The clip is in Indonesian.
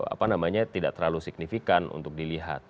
apa namanya tidak terlalu signifikan untuk dilihat